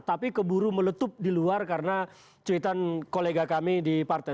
tapi keburu meletup di luar karena cuitan kolega kami di partai